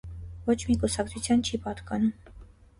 Ոչ մի կուսակցության չի պատկանում։